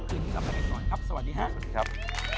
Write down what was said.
คุณกลับมาแหละก่อนครับสวัสดีครับ